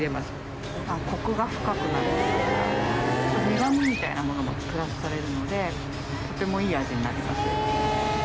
苦味みたいなものもプラスされるのでとてもいい味になります。